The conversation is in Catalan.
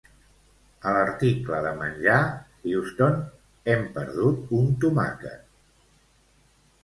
A l'article de menjar, Houston, hem perdut un tomàquet